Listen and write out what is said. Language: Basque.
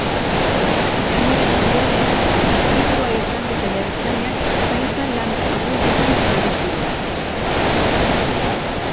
Gaineratu duenez, istripua izan duten ertzainak zaintza lan arruntetan ari ziren.